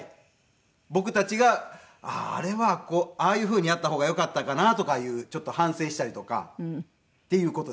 僕たちがああーあれはあっこああいうふうにやった方がよかったかなとかいうちょっと反省したりとかっていう事ですよ。